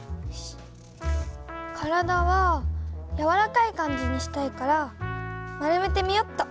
体はやわらかい感じにしたいから丸めてみよっと。